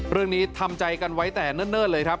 เรื่องนี้ทำใจกันไว้แต่เนิ่นเลยครับ